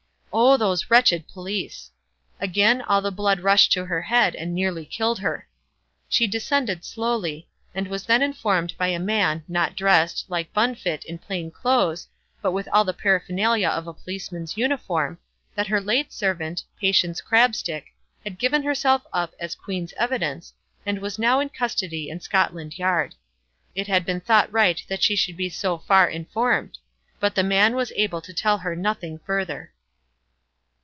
Oh, those wretched police! Again all the blood rushed to her head and nearly killed her. She descended slowly; and was then informed by a man, not dressed, like Bunfit, in plain clothes, but with all the paraphernalia of a policeman's uniform, that her late servant, Patience Crabstick, had given herself up as Queen's evidence, and was now in custody in Scotland Yard. It had been thought right that she should be so far informed; but the man was able to tell her nothing further.